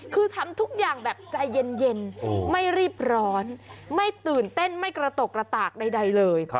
คือทำทุกอย่างแบบใจเย็นไม่รีบร้อนไม่ตื่นเต้นไม่กระตกระตากใดเลย